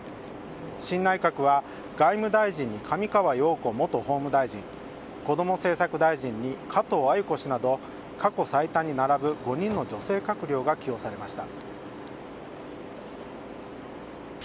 新内閣は外務大臣に上川陽子元法務大臣こども政策大臣に加藤鮎子氏など過去最多に並ぶ５人の女性閣僚が起用されました。